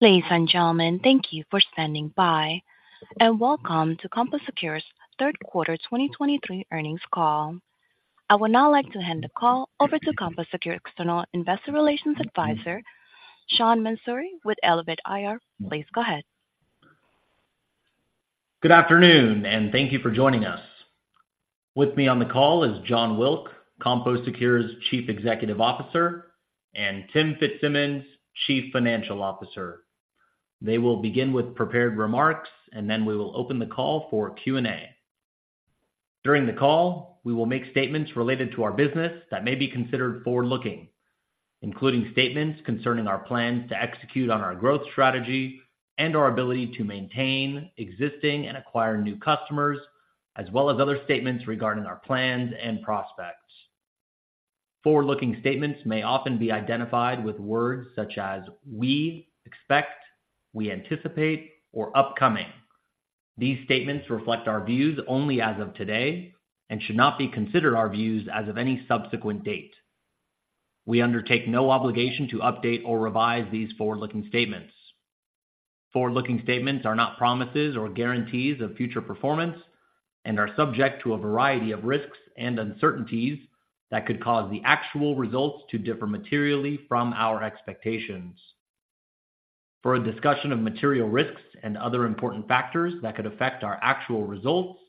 Ladies and gentlemen, thank you for standing by, and welcome to CompoSecure's Third Quarter 2023 Earnings Call. I would now like to hand the call over to CompoSecure's External Investor Relations Advisor, Sean Mansouri with Elevate IR. Please go ahead. Good afternoon, and thank you for joining us. With me on the call is Jon Wilk, CompoSecure's Chief Executive Officer, and Tim Fitzsimmons, Chief Financial Officer. They will begin with prepared remarks, and then we will open the call for Q&A. During the call, we will make statements related to our business that may be considered forward-looking, including statements concerning our plans to execute on our growth strategy and our ability to maintain existing and acquire new customers, as well as other statements regarding our plans and prospects. Forward-looking statements may often be identified with words such as we expect, we anticipate, or upcoming. These statements reflect our views only as of today and should not be considered our views as of any subsequent date. We undertake no obligation to update or revise these forward-looking statements. Forward-looking statements are not promises or guarantees of future performance and are subject to a variety of risks and uncertainties that could cause the actual results to differ materially from our expectations. For a discussion of material risks and other important factors that could affect our actual results,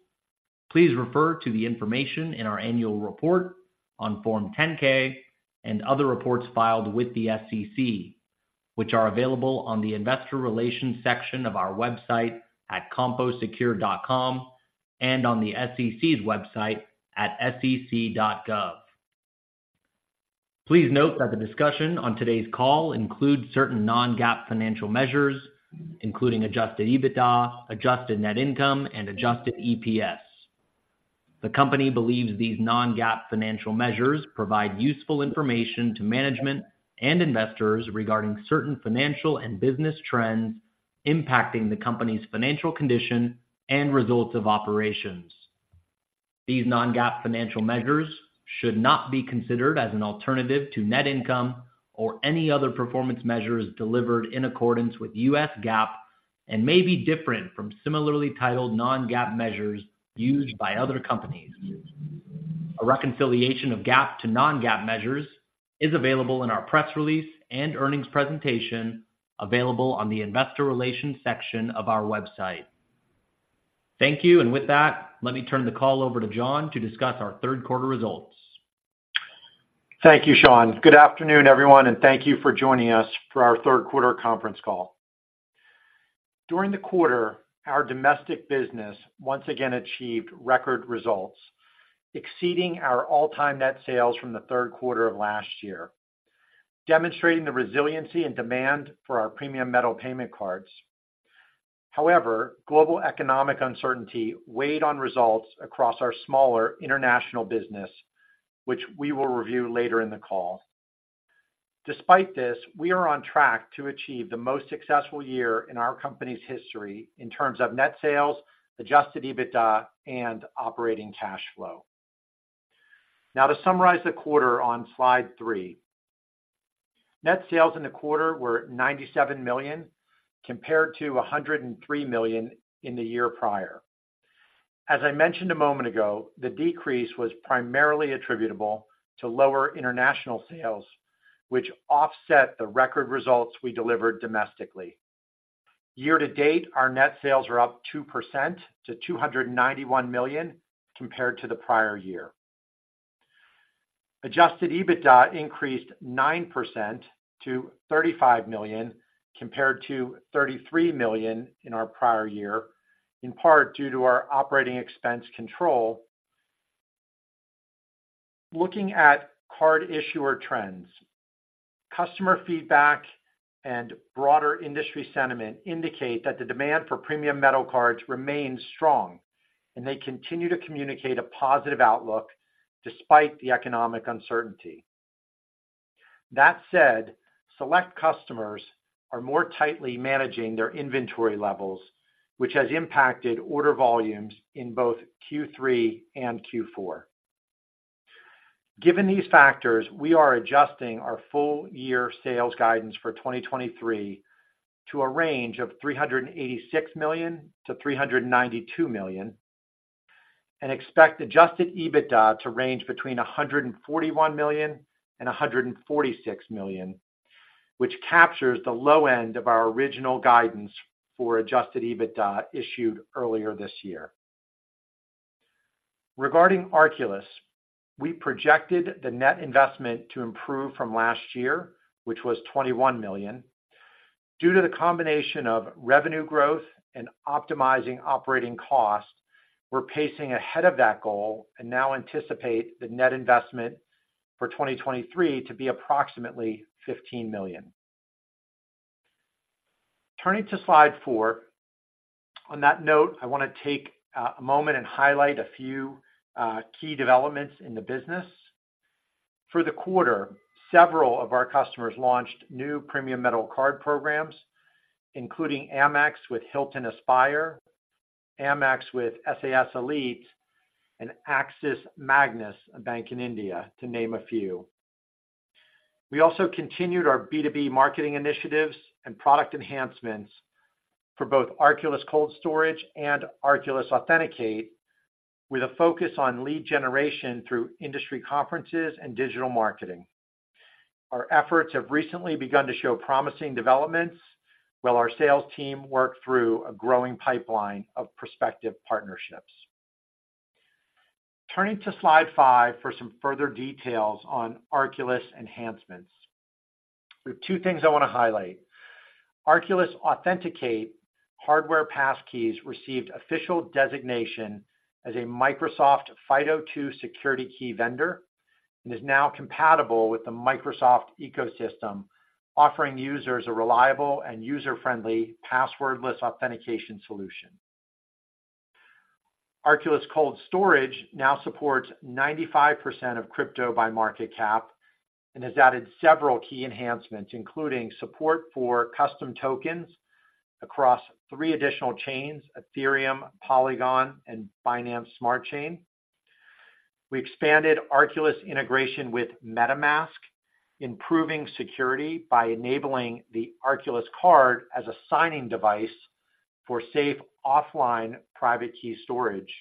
please refer to the information in our annual report on Form 10-K and other reports filed with the SEC, which are available on the investor relations section of our website at composecure.com and on the SEC's website at sec.gov. Please note that the discussion on today's call includes certain non-GAAP financial measures, including adjusted EBITDA, adjusted net income, and adjusted EPS. The company believes these non-GAAP financial measures provide useful information to management and investors regarding certain financial and business trends impacting the company's financial condition and results of operations. These non-GAAP financial measures should not be considered as an alternative to net income or any other performance measures delivered in accordance with U.S. GAAP and may be different from similarly titled non-GAAP measures used by other companies. A reconciliation of GAAP to non-GAAP measures is available in our press release and earnings presentation, available on the investor relations section of our website. Thank you, and with that, let me turn the call over to Jon to discuss our third quarter results. Thank you, Sean. Good afternoon, everyone, and thank you for joining us for our third quarter conference call. During the quarter, our domestic business once again achieved record results, exceeding our all-time net sales from the third quarter of last year, demonstrating the resiliency and demand for our premium metal payment cards. However, global economic uncertainty weighed on results across our smaller international business, which we will review later in the call. Despite this, we are on track to achieve the most successful year in our company's history in terms of net sales, adjusted EBITDA, and operating cash flow. Now, to summarize the quarter on slide three. Net sales in the quarter were $97 million, compared to $103 million in the year prior. As I mentioned a moment ago, the decrease was primarily attributable to lower international sales, which offset the record results we delivered domestically. Year to date, our net sales are up 2% to $291 million compared to the prior year. Adjusted EBITDA increased 9% to $35 million, compared to $33 million in our prior year, in part due to our operating expense control. Looking at card issuer trends, customer feedback and broader industry sentiment indicate that the demand for premium metal cards remains strong, and they continue to communicate a positive outlook despite the economic uncertainty. That said, select customers are more tightly managing their inventory levels, which has impacted order volumes in both Q3 and Q4. Given these factors, we are adjusting our full-year sales guidance for 2023 to a range of $386 million-$392 million, and expect adjusted EBITDA to range between $141 million-$146 million, which captures the low end of our original guidance for adjusted EBITDA issued earlier this year. Regarding Arculus, we projected the net investment to improve from last year, which was $21 million. Due to the combination of revenue growth and optimizing operating costs, we're pacing ahead of that goal and now anticipate the net investment for 2023 to be approximately $15 million. Turning to slide four. On that note, I want to take a moment and highlight a few key developments in the business. For the quarter, several of our customers launched new premium metal card programs, including Amex with Hilton Aspire, Amex with SAS Elite, and Axis Magnus, a bank in India, to name a few. We also continued our B2B marketing initiatives and product enhancements for both Arculus Cold Storage and Arculus Authenticate, with a focus on lead generation through industry conferences and digital marketing. Our efforts have recently begun to show promising developments, while our sales team worked through a growing pipeline of prospective partnerships. Turning to slide five for some further details on Arculus enhancements. There are two things I want to highlight. Arculus Authenticate hardware passkeys received official designation as a Microsoft FIDO2 security key vendor, and is now compatible with the Microsoft ecosystem, offering users a reliable and user-friendly passwordless authentication solution. Arculus Cold Storage now supports 95% of crypto by market cap and has added several key enhancements, including support for custom tokens across three additional chains: Ethereum, Polygon, and Binance Smart Chain. We expanded Arculus integration with MetaMask, improving security by enabling the Arculus card as a signing device for safe offline private key storage.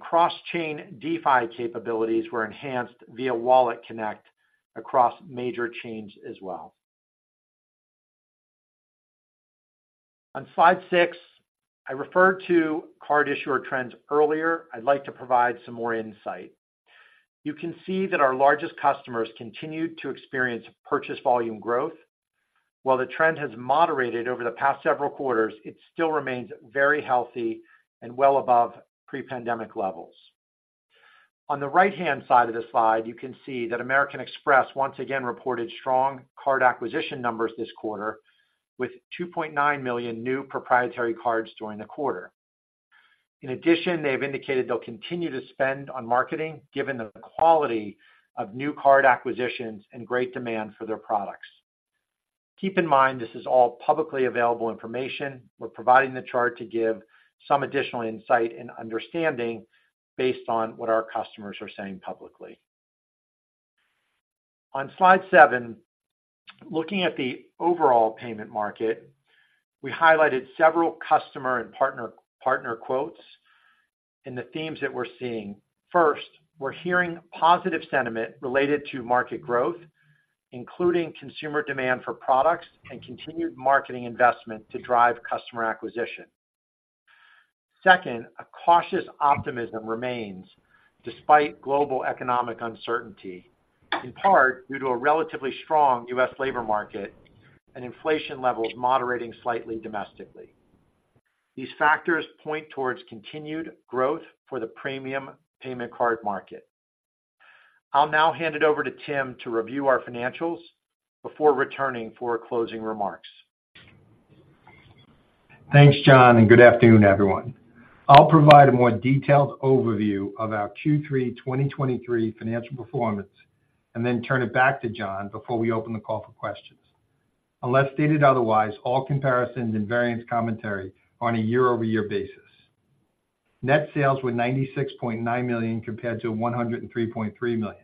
Cross-chain DeFi capabilities were enhanced via WalletConnect across major chains as well. On slide six, I referred to card issuer trends earlier. I'd like to provide some more insight. You can see that our largest customers continued to experience purchase volume growth. While the trend has moderated over the past several quarters, it still remains very healthy and well above pre-pandemic levels. On the right-hand side of the slide, you can see that American Express once again reported strong card acquisition numbers this quarter, with 2.9 million new proprietary cards during the quarter. In addition, they have indicated they'll continue to spend on marketing, given the quality of new card acquisitions and great demand for their products. Keep in mind, this is all publicly available information. We're providing the chart to give some additional insight and understanding based on what our customers are saying publicly. On slide seven, looking at the overall payment market, we highlighted several customer and partner quotes and the themes that we're seeing. First, we're hearing positive sentiment related to market growth, including consumer demand for products and continued marketing investment to drive customer acquisition. Second, a cautious optimism remains despite global economic uncertainty, in part due to a relatively strong U.S. labor market and inflation levels moderating slightly domestically. These factors point towards continued growth for the premium payment card market. I'll now hand it over to Tim to review our financials before returning for closing remarks. Thanks, Jon, and good afternoon, everyone. I'll provide a more detailed overview of our Q3 2023 financial performance and then turn it back to Jon before we open the call for questions. Unless stated otherwise, all comparisons and variance commentary are on a year-over-year basis. Net sales were $96.9 million compared to $103.3 million.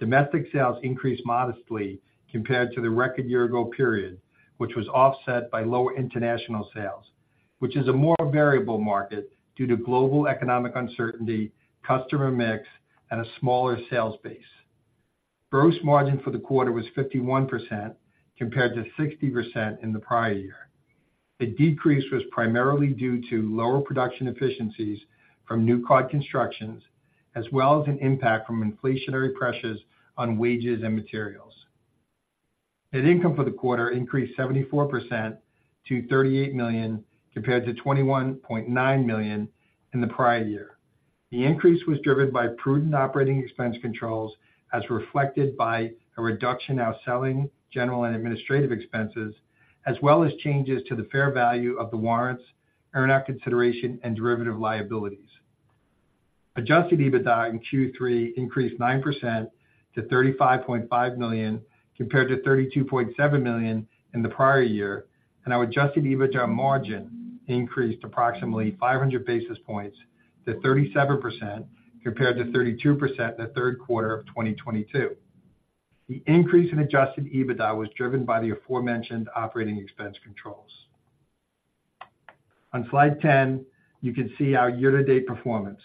Domestic sales increased modestly compared to the record year ago period, which was offset by lower international sales, which is a more variable market due to global economic uncertainty, customer mix, and a smaller sales base. Gross margin for the quarter was 51%, compared to 60% in the prior year. The decrease was primarily due to lower production efficiencies from new card constructions, as well as an impact from inflationary pressures on wages and materials. Net income for the quarter increased 74% to $38 million, compared to $21.9 million in the prior year. The increase was driven by prudent operating expense controls, as reflected by a reduction in our selling, general, and administrative expenses, as well as changes to the fair value of the warrants, earn-out consideration, and derivative liabilities. Adjusted EBITDA in Q3 increased 9% to $35.5 million, compared to $32.7 million in the prior year, and our adjusted EBITDA margin increased approximately 500 basis points to 37%, compared to 32% in the third quarter of 2022. The increase in adjusted EBITDA was driven by the aforementioned operating expense controls. On slide 10, you can see our year-to-date performance.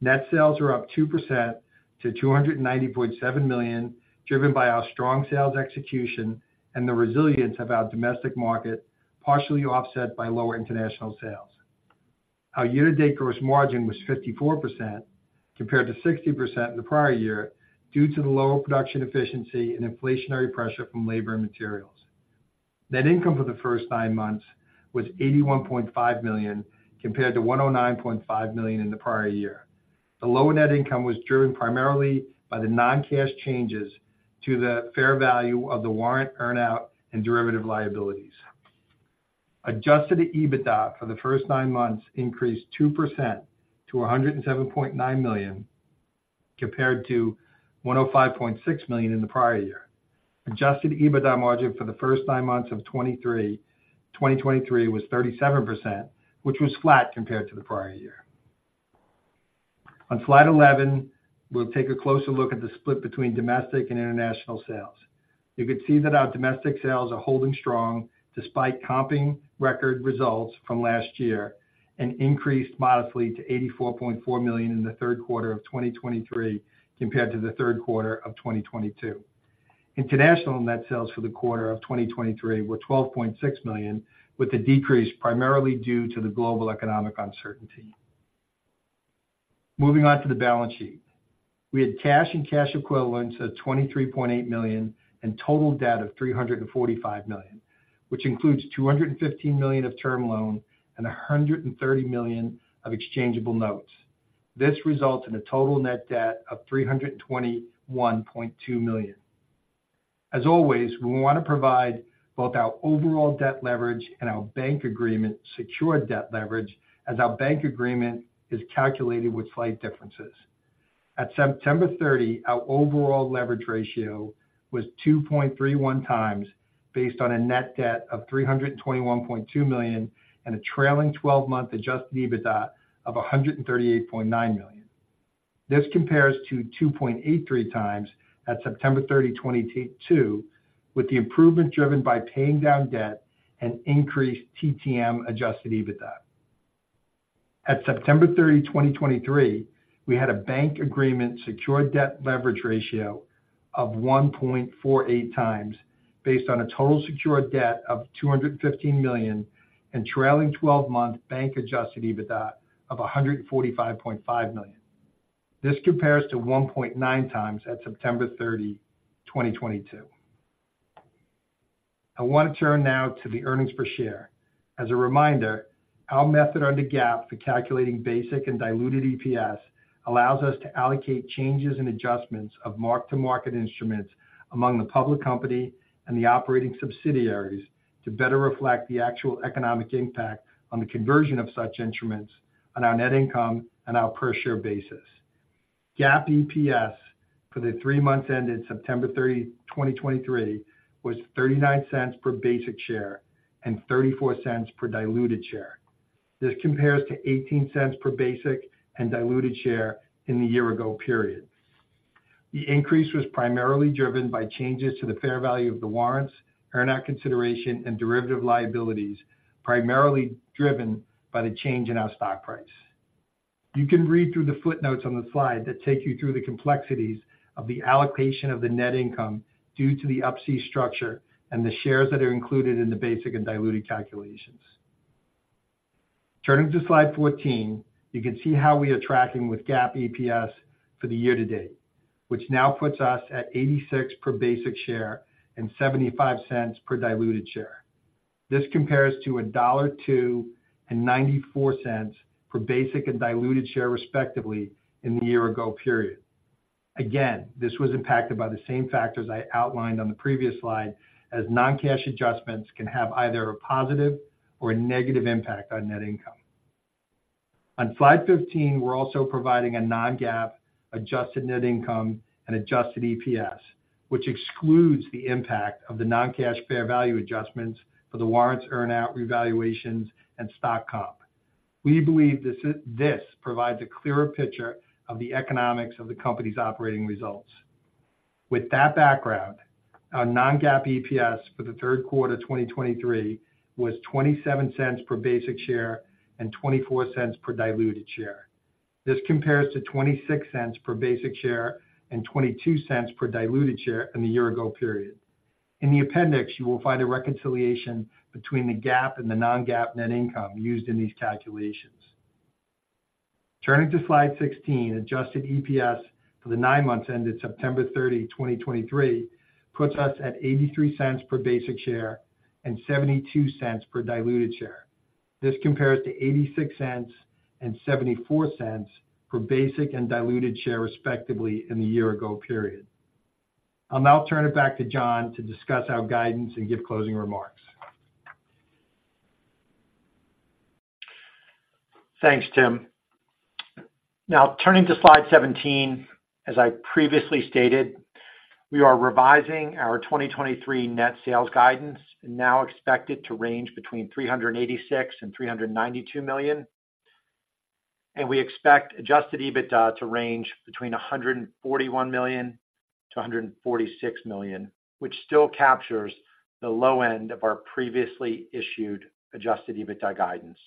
Net sales are up 2% to $290.7 million, driven by our strong sales execution and the resilience of our domestic market, partially offset by lower international sales. Our year-to-date gross margin was 54%, compared to 60% in the prior year, due to the lower production efficiency and inflationary pressure from labor and materials. Net income for the first nine months was $81.5 million, compared to $109.5 million in the prior year. The lower net income was driven primarily by the non-cash changes to the fair value of the warrant earn-out and derivative liabilities. Adjusted EBITDA for the first nine months increased 2% to $107.9 million compared to $105.6 million in the prior year. Adjusted EBITDA margin for the first nine months of 2023 was 37%, which was flat compared to the prior year. On slide 11, we'll take a closer look at the split between domestic and international sales. You can see that our domestic sales are holding strong despite comping record results from last year, and increased modestly to $84.4 million in the third quarter of 2023, compared to the third quarter of 2022. International net sales for the quarter of 2023 were $12.6 million, with the decrease primarily due to the global economic uncertainty. Moving on to the balance sheet. We had cash and cash equivalents of $23.8 million and total debt of $345 million, which includes $215 million of term loan and $130 million of exchangeable notes. This results in a total net debt of $321.2 million. As always, we want to provide both our overall debt leverage and our bank agreement secured debt leverage, as our bank agreement is calculated with slight differences. At September 30, our overall leverage ratio was 2.31x, based on a net debt of $321.2 million and a trailing 12-month adjusted EBITDA of $138.9 million. This compares to 2.83x at September 30, 2022, with the improvement driven by paying down debt and increased TTM adjusted EBITDA. At September 30, 2023, we had a bank agreement secured debt leverage ratio of 1.48x based on a total secured debt of $215 million and trailing 12-month bank adjusted EBITDA of $145.5 million. This compares to 1.9x at September 30, 2022. I want to turn now to the earnings per share. As a reminder, our method under GAAP for calculating basic and diluted EPS allows us to allocate changes and adjustments of mark-to-market instruments among the public company and the operating subsidiaries, to better reflect the actual economic impact on the conversion of such instruments on our net income and our per share basis. GAAP EPS for the three months ended September 30, 2023, was $0.39 per basic share and $0.34 per diluted share. This compares to $0.18 per basic and diluted share in the year ago period. The increase was primarily driven by changes to the fair value of the warrants, earn-out consideration, and derivative liabilities, primarily driven by the change in our stock price. You can read through the footnotes on the slide that take you through the complexities of the allocation of the net income due to the Up-C structure and the shares that are included in the basic and diluted calculations. Turning to slide 14, you can see how we are tracking with GAAP EPS for the year to date, which now puts us at $0.86 per basic share and $0.75 per diluted share. This compares to $1.02 and $0.94 per basic and diluted share, respectively, in the year ago period. Again, this was impacted by the same factors I outlined on the previous slide, as non-cash adjustments can have either a positive or a negative impact on net income. On slide 15, we're also providing a non-GAAP adjusted net income and adjusted EPS, which excludes the impact of the non-cash fair value adjustments for the warrants, earn-out revaluations and stock comp. We believe this provides a clearer picture of the economics of the company's operating results. With that background, our non-GAAP EPS for the third quarter 2023 was $0.27 per basic share and $0.24 per diluted share. This compares to $0.26 per basic share and $0.22 per diluted share in the year ago period. In the appendix, you will find a reconciliation between the GAAP and the non-GAAP net income used in these calculations. Turning to slide 16, adjusted EPS for the nine months ended September 30, 2023, puts us at $0.83 per basic share and $0.72 per diluted share. This compares to $0.86 and $0.74 per basic and diluted share, respectively, in the year ago period. I'll now turn it back to Jon to discuss our guidance and give closing remarks. Thanks, Tim. Now, turning to slide 17. As I previously stated, we are revising our 2023 net sales guidance and now expect it to range between $386 million-$392 million. We expect adjusted EBITDA to range between $141 million-$146 million, which still captures the low end of our previously issued adjusted EBITDA guidance.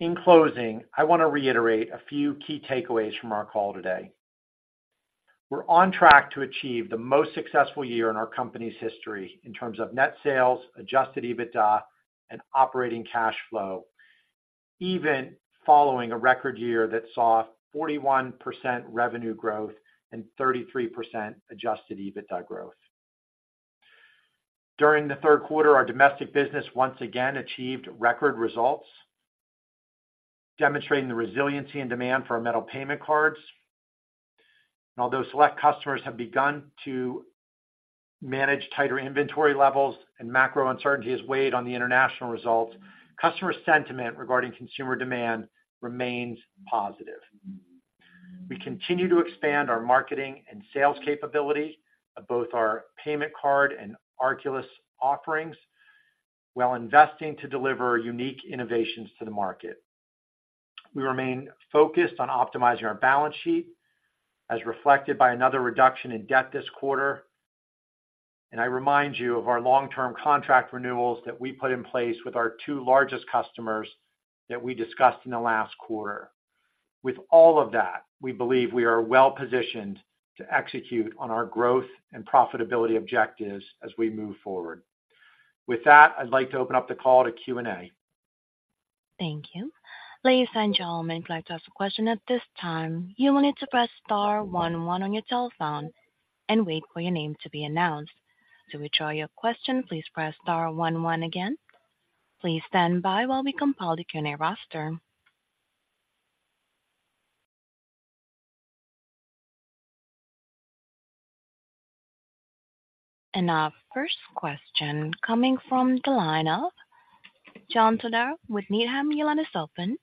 In closing, I want to reiterate a few key takeaways from our call today. We're on track to achieve the most successful year in our company's history in terms of net sales, adjusted EBITDA, and operating cash flow, even following a record year that saw 41% revenue growth and 33% adjusted EBITDA growth. During the third quarter, our domestic business once again achieved record results, demonstrating the resiliency and demand for our metal payment cards. Although select customers have begun to manage tighter inventory levels and macro uncertainty has weighed on the international results, customer sentiment regarding consumer demand remains positive. We continue to expand our marketing and sales capability of both our payment card and Arculus offerings, while investing to deliver unique innovations to the market. We remain focused on optimizing our balance sheet, as reflected by another reduction in debt this quarter. I remind you of our long-term contract renewals that we put in place with our two largest customers that we discussed in the last quarter. With all of that, we believe we are well-positioned to execute on our growth and profitability objectives as we move forward. With that, I'd like to open up the call to Q&A. Thank you. Ladies and gentlemen, if you'd like to ask a question at this time, you will need to press star one on your telephone and wait for your name to be announced. To withdraw your question, please press star one one again. Please stand by while we compile the Q&A roster. Our first question coming from the line of John Todaro with Needham. Your line is open.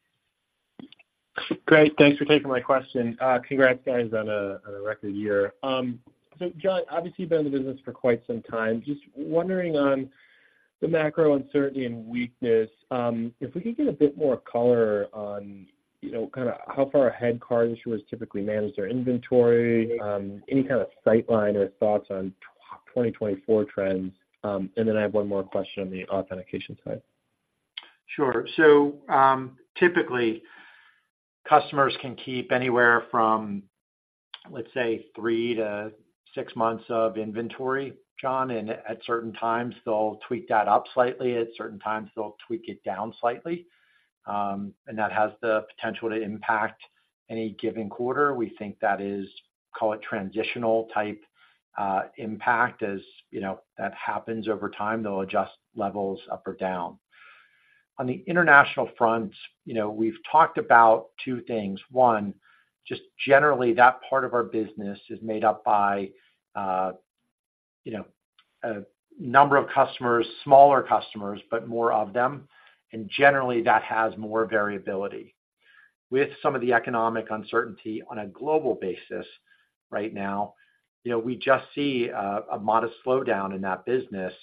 Great, thanks for taking my question. Congrats, guys, on a record year. So Jon, obviously, you've been in the business for quite some time. Just wondering on the macro uncertainty and weakness, if we could get a bit more color on, you know, kind of how far ahead card issuers typically manage their inventory, any kind of sightline or thoughts on 2024 trends? And then I have one more question on the authentication side. Sure. So, typically, customers can keep anywhere from, let's say, three to six months of inventory, John, and at certain times they'll tweak that up slightly, at certain times they'll tweak it down slightly. And that has the potential to impact any given quarter. We think that is, call it transitional type, impact. As you know, that happens over time, they'll adjust levels up or down. On the international front, you know, we've talked about two things: One, just generally, that part of our business is made up by, you know, a number of customers, smaller customers, but more of them, and generally, that has more variability. With some of the economic uncertainty on a global basis right now, you know, we just see a modest slowdown in that business,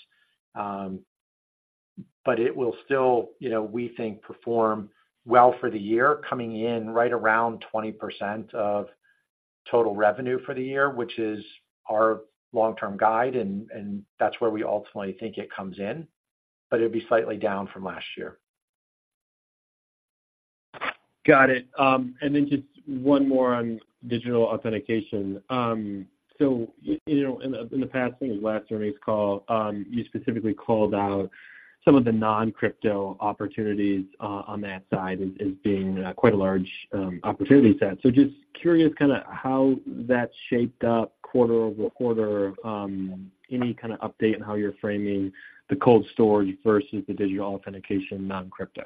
but it will still, you know, we think, perform well for the year, coming in right around 20% of total revenue for the year, which is our long-term guide, and, and that's where we ultimately think it comes in, but it'll be slightly down from last year. Got it. And then just one more on digital authentication. So, you know, in the past, I think it was last earnings call, you specifically called out some of the non-crypto opportunities on that side as being quite a large opportunity set. So just curious kind of how that shaped up quarter over quarter, any kind of update on how you're framing the cold storage versus the digital authentication, non-crypto?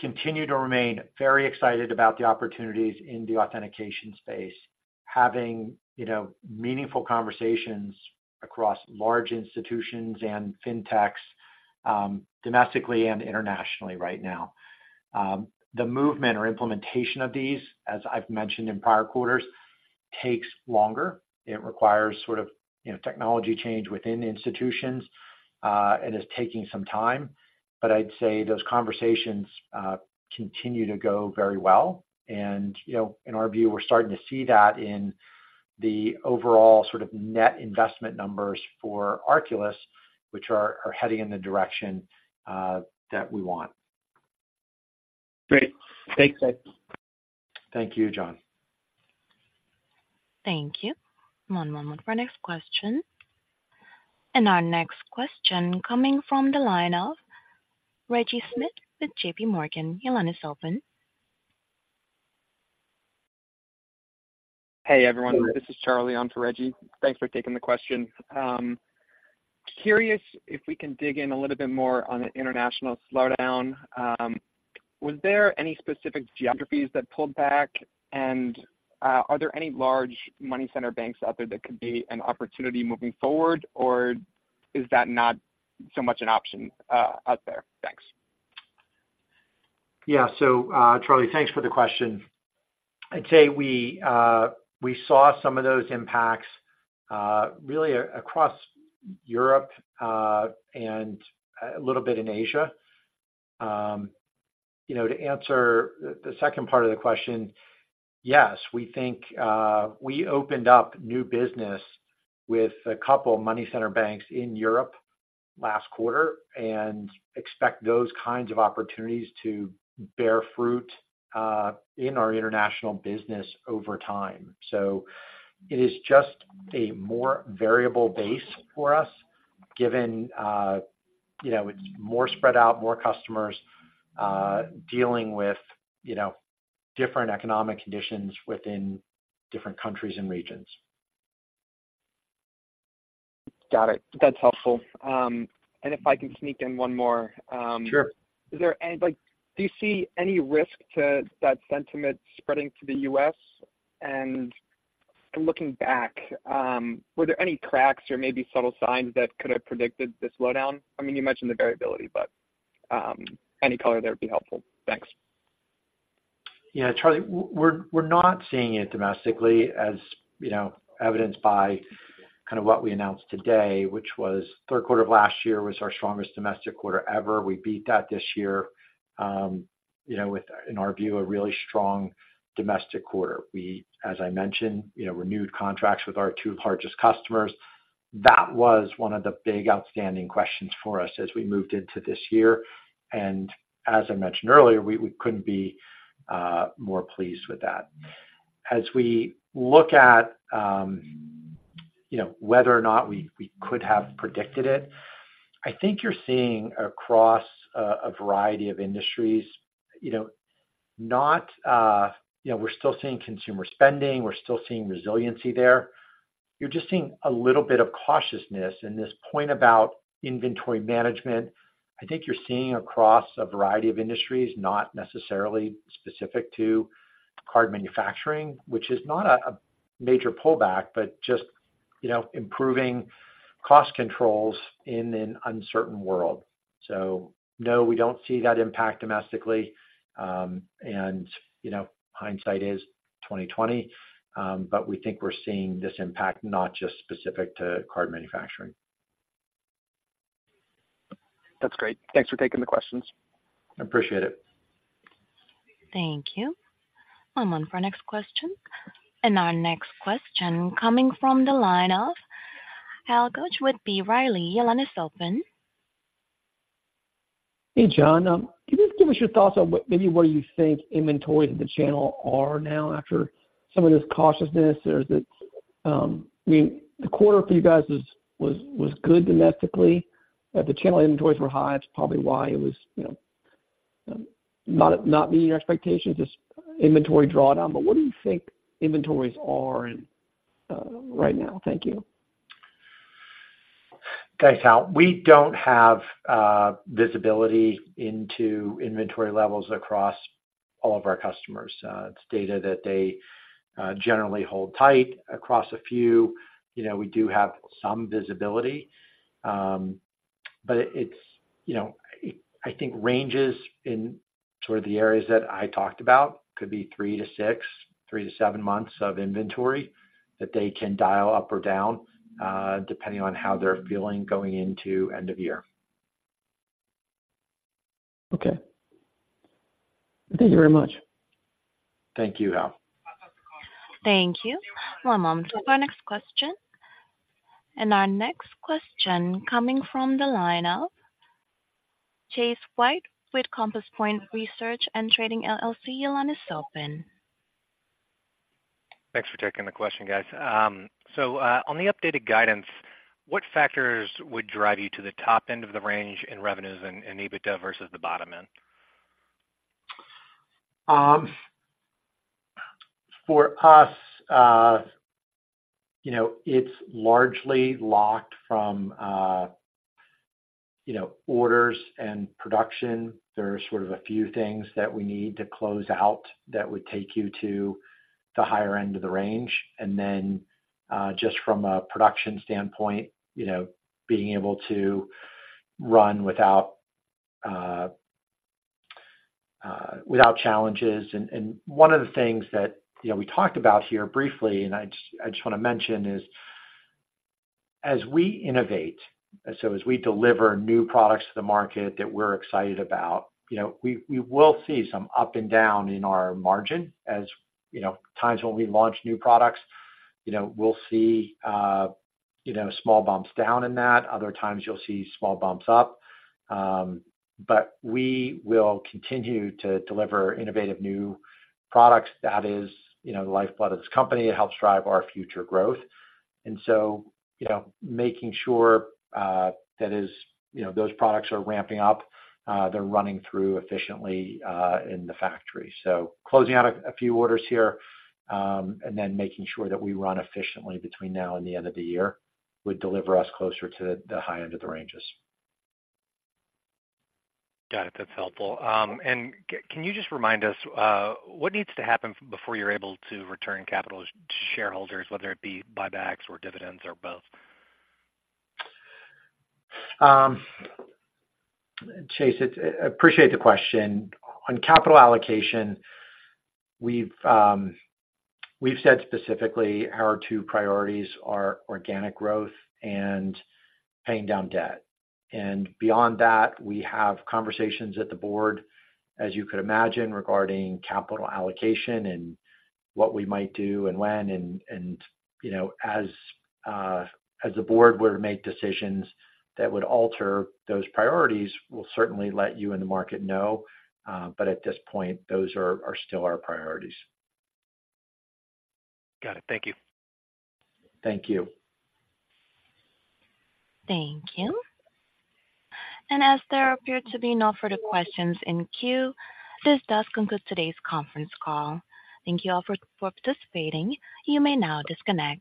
Continue to remain very excited about the opportunities in the authentication space, having, you know, meaningful conversations across large institutions and fintechs, domestically and internationally right now. The movement or implementation of these, as I've mentioned in prior quarters, takes longer. It requires sort of, you know, technology change within institutions, and is taking some time, but I'd say those conversations continue to go very well. And, you know, in our view, we're starting to see that in the overall sort of net investment numbers for Arculus, which are heading in the direction that we want. Great. Thanks, guys. Thank you, John. Thank you. One moment for our next question. Our next question coming from the line of Reggie Smith with JPMorgan. Your line is open. Hey, everyone, this is Charlie on for Reggie. Thanks for taking the question. Curious if we can dig in a little bit more on the international slowdown. Was there any specific geographies that pulled back? And, are there any large money center banks out there that could be an opportunity moving forward, or is that not so much an option, out there? Thanks. Yeah. So, Charlie, thanks for the question. I'd say we, we saw some of those impacts, really across Europe, and a little bit in Asia. You know, to answer the second part of the question, yes, we think we opened up new business with a couple of money center banks in Europe last quarter and expect those kinds of opportunities to bear fruit in our international business over time. So it is just a more variable base for us, given, you know, it's more spread out, more customers, dealing with, you know, different economic conditions within different countries and regions. Got it. That's helpful. And if I can sneak in one more Sure. Is there like, do you see any risk to that sentiment spreading to the U.S.? And looking back, were there any cracks or maybe subtle signs that could have predicted this slowdown? I mean, you mentioned the variability, but, any color there would be helpful? Thanks. Yeah, Charlie, we're, we're not seeing it domestically, as, you know, evidenced by kind of what we announced today, which was third quarter of last year was our strongest domestic quarter ever. We beat that this year, you know, with, in our view, a really strong domestic quarter. We, as I mentioned, you know, renewed contracts with our two largest customers. That was one of the big outstanding questions for us as we moved into this year, and as I mentioned earlier, we, we couldn't be more pleased with that. As we look at, you know, whether or not we, we could have predicted it, I think you're seeing across a variety of industries, you know, not, you know, we're still seeing consumer spending. We're still seeing resiliency there. You're just seeing a little bit of cautiousness. This point about inventory management, I think you're seeing across a variety of industries, not necessarily specific to card manufacturing, which is not a major pullback, but just, you know, improving cost controls in an uncertain world. So no, we don't see that impact domestically. And, you know, hindsight is 20/20, but we think we're seeing this impact not just specific to card manufacturing. That's great. Thanks for taking the questions. I appreciate it. Thank you. I'm on for our next question. Our next question coming from the line of Hal Goetsch with B. Riley. Your line is open. Hey, Jon. Can you just give us your thoughts on what, maybe what you think inventories in the channel are now after some of this cautiousness? There's this, I mean, the quarter for you guys is, was, was good domestically, but the channel inventories were high. That's probably why it was, you know, not, not meeting your expectations, just inventory drawdown. But what do you think inventories are in right now? Thank you. Thanks, Hal. We don't have visibility into inventory levels across all of our customers. It's data that they generally hold tight across a few. You know, we do have some visibility, but it's, you know, it, I think, ranges in toward the areas that I talked about. Could be three to six, three to seven months of inventory that they can dial up or down, depending on how they're feeling going into end of year. Okay. Thank you very much. Thank you, Hal. Thank you. We're on to our next question. Our next question coming from the line of Chase White with Compass Point Research & Trading, LLC. Your line is open. Thanks for taking the question, guys. So, on the updated guidance, what factors would drive you to the top end of the range in revenues and, and EBITDA versus the bottom end? For us, you know, it's largely locked from, you know, orders and production. There are sort of a few things that we need to close out that would take you to the higher end of the range. And then, just from a production standpoint, you know, being able to run without challenges. And one of the things that, you know, we talked about here briefly, and I just, I just wanna mention, is as we innovate, so as we deliver new products to the market that we're excited about, you know, we, we will see some up and down in our margin. As, you know, times when we launch new products, you know, we'll see, you know, small bumps down in that. Other times you'll see small bumps up. But we will continue to deliver innovative new products. That is, you know, the lifeblood of this company. It helps drive our future growth. And so, you know, making sure that is, you know, those products are ramping up, they're running through efficiently in the factory. So closing out a few orders here, and then making sure that we run efficiently between now and the end of the year, would deliver us closer to the high end of the ranges. Got it. That's helpful. And can you just remind us what needs to happen before you're able to return capital to shareholders, whether it be buybacks or dividends or both? Chase, appreciate the question. On capital allocation, we've, we've said specifically our two priorities are organic growth and paying down debt. And beyond that, we have conversations at the board, as you could imagine, regarding capital allocation and what we might do and when. And, and, you know, as, as the board were to make decisions that would alter those priorities, we'll certainly let you and the market know. But at this point, those are, are still our priorities. Got it. Thank you. Thank you. Thank you. As there appear to be no further questions in queue, this does conclude today's conference call. Thank you all for participating. You may now disconnect.